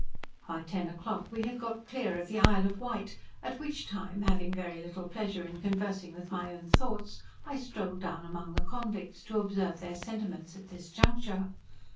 By ten o'clock we had got clear of the Isle of Wight, at which time, having very little pleasure in conversing with my own thoughts, I strolled down among the convicts, to observe their sentiments at this juncture.